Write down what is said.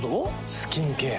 スキンケア。